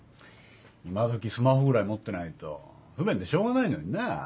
今どきスマホぐらい持ってないと不便でしょうがないのになぁ。